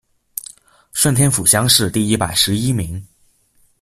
顺天府乡试第一百十一名。